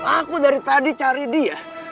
aku dari tadi cari dia